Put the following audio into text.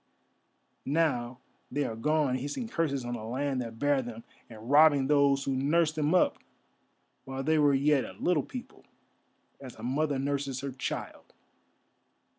Now they are gone hissing curses on the land that bare them, and robbing those who nursed them up while they were yet a little people, as a mother nurses her child."